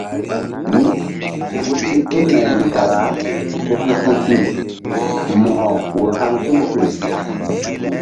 Mí ku ti̧h tul nay kara ku su̧su̧pi mo̧ko ur haŋ tul fe.